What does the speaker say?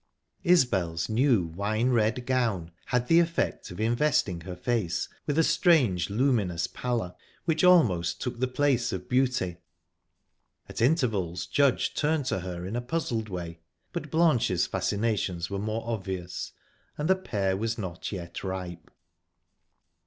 Isbel's new wine red gown had the effect of investing her face with a strange luminous pallor, which almost took the place of beauty. At intervals Judge turned to her in a puzzled way, but Blanche's fascinations were more obvious, and the pear was not yet ripe.